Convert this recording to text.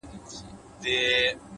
ساده پلانونه لویې پایلې لري؛